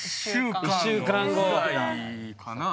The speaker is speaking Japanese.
１週間ぐらいかな？